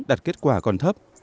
đạt kết quả còn thấp